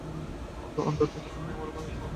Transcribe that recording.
অন্তর থেকে, তুমি আমার ভাই।